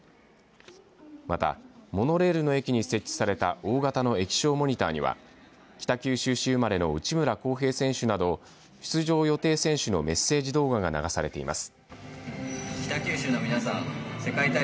また、モノレールの駅に設置された大型の液晶モニターには北九州市生まれの内村航平選手など出場予定選手のメッセージ動画が流されています。